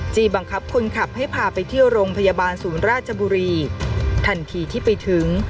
บังคับคนขับให้พาไปเที่ยวโรงพยาบาลศูนย์ราชบุรีทันทีที่ไปถึง